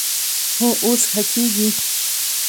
هو، اوس ښه کیږي